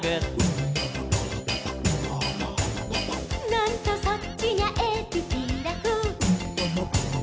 「なんとそっちにゃえびピラフ」